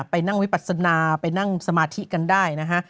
ไปนั่งวิปัสนาไปนั่งสมาธิกันได้นะฮะ